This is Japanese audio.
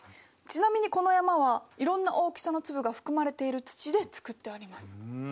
ちなみにこの山はいろんな大きさの粒が含まれている土で作ってあります。